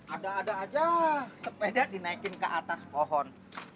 ada ada aja sepeda dinaikin ke atas pohon